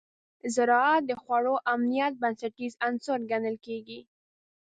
زراعت د خوړو امنیت بنسټیز عنصر ګڼل کېږي.